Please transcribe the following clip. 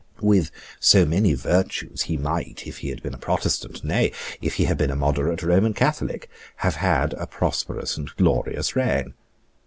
With so many virtues he might, if he had been a Protestant, nay, if he had been a moderate Roman Catholic, have had a prosperous and glorious reign.